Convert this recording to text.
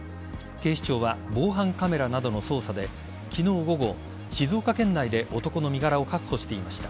警視庁は防犯カメラなどの捜査で昨日午後、静岡県内で男の身柄を確保していました。